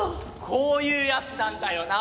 こういうやつなんだよな。